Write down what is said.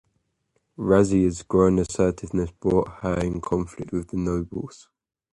Razia's growing assertiveness brought her in conflict with the nobles.